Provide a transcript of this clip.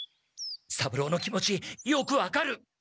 三郎の気持ちよくわかる！